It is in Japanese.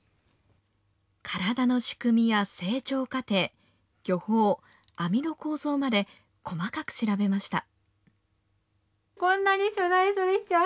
体の仕組みや成長過程、漁法、網の構造まで、細かく調べました。